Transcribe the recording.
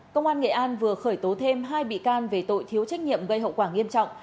công an nghệ an vừa khởi tố thêm hai bị can về tội thiếu trách nhiệm gây hậu quả nghiêm trọng